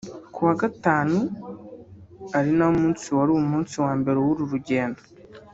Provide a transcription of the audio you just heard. Ku wa Gatanu ari nawo wari umunsi wa mbere w’uru rugendo